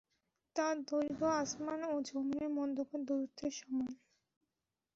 তার দৈর্ঘ্য আসমান ও যমীনের মধ্যকার দূরত্বের সমান।